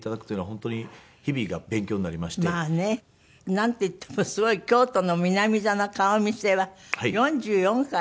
なんていってもすごい京都の南座の顔見世は４４回も？